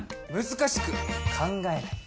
難しく考えない。